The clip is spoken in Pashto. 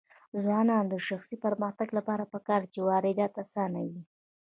د ځوانانو د شخصي پرمختګ لپاره پکار ده چې واردات اسانوي.